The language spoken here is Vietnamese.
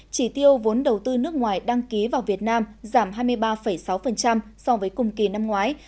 chỉ tiêu vốn đầu tư nước ngoài đăng ký vào việt nam giảm hai mươi ba sáu so với cùng kỳ năm ngoái